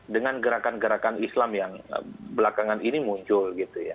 dengan gerakan gerakan islam yang belakangan ini muncul